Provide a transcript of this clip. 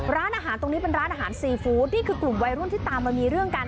ร้านอาหารตรงนี้เป็นร้านอาหารซีฟู้ดนี่คือกลุ่มวัยรุ่นที่ตามมามีเรื่องกัน